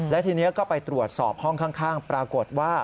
และทีนี้ก็ไปตรวจสอบห้องข้างปรากฏว่า